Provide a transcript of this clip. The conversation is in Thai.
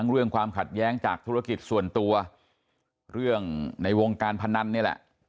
เรื่องความขัดแย้งจากธุรกิจส่วนตัวเรื่องในวงการพนันนี่แหละ